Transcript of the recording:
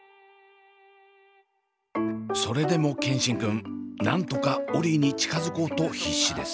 それでも健新くんなんとかオリィに近づこうと必死です。